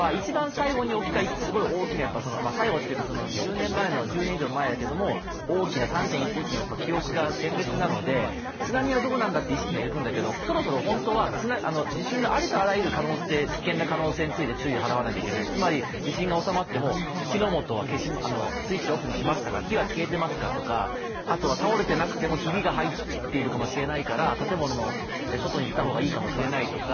すごい大きな、１０年以上前の大きな３．１１の記憶が鮮烈なので、津波はどうなんだって意識がいくんだけど、そろそろ地震がありとあらゆる可能性、危険な可能性について、注意を払わなければいけないつまり地震が収まっても火の元はスイッチオフにしましたか、火は消えてますかとか、倒れていなくてもひびが入ってるかもしれないから建物の外に出た方がいいかもしれないとか